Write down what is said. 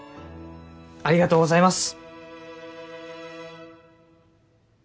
ありがとうございます。